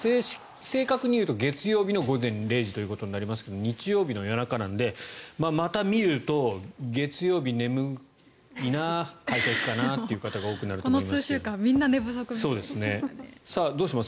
正確に言うと月曜日の午前０時ということになりますが日曜日の夜中なのでまた見ると月曜日、眠いな会社行くかなという方がこの数週間みんな寝不足です。